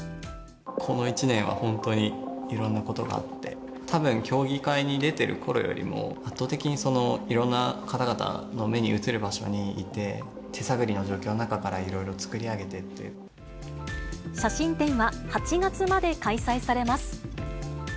この一年は本当にいろんなことがあって、たぶん競技会に出ているころよりも、圧倒的にいろんな方々の目に映る場所にいて、手探りの状況の中か写真展は８月まで開催されます。